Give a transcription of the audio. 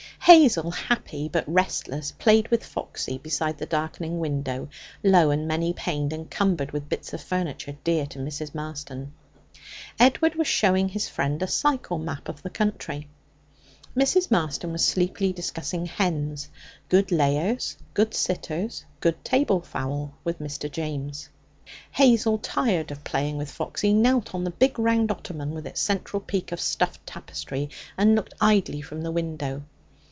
Hazel, happy but restless, played with Foxy beside the darkening window, low and many paned and cumbered with bits of furniture dear to Mrs. Marston. Edward was showing his friend a cycle map of the country. Mrs. Marston was sleepily discussing hens good layers, good sitters, good table fowl with Mr. James. Hazel, tired of playing with Foxy, knelt on the big round ottoman with its central peak of stuffed tapestry and looked idly from the window.